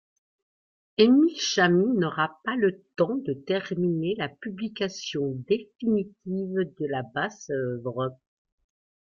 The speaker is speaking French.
Émile Chami n'aura pas le temps de terminer la publication définitive de la Basse-Œuvre.